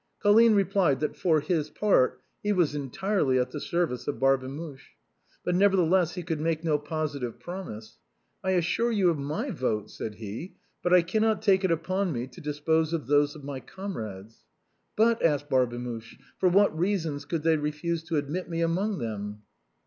Colline replied that, for his part, he was entirely at the service of Barbemuche, but, nevertheless, he could make no positive promise. " I assure you of my vote," said he ;" but I cannot take it upon me to dispose of those of my comrades." " But," asked Barbemuche, " for what reasons could they refuse to admit me among them